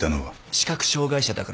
視覚障害者だからです。